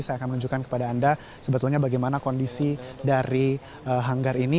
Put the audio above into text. saya akan menunjukkan kepada anda sebetulnya bagaimana kondisi dari hanggar ini